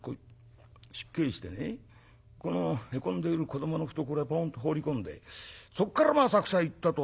このへこんでいる子どもの懐へポンと放り込んでそっからまあ浅草行ったと。